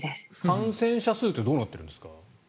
感染者数ってどうなっているんですか？